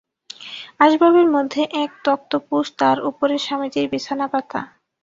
আসবাবের মধ্যে এক তক্তপোশ, তার উপরে স্বামীজির বিছানা পাতা।